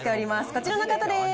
こちらの方です。